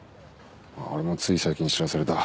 俺もつい最近知らされた。